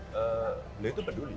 beliau itu peduli